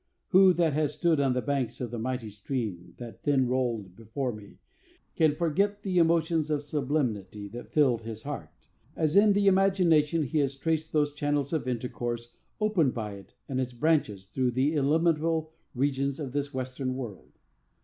Who that has stood on the banks of the mighty stream that then rolled before me can forget the emotions of sublimity that filled his heart, as in imagination he has traced those channels of intercourse opened by it and its branches through the illimitable regions of this western world?